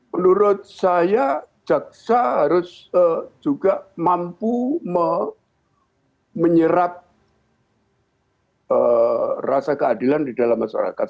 menurut saya jaksa harus juga mampu menyerap rasa keadilan di dalam masyarakat